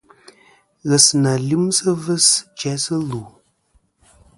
Ghesɨnà lyɨmsɨ ɨvɨs jæsɨ lù.